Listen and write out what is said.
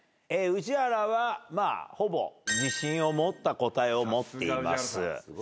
宇治原はほぼ自信を持った答えを持っています。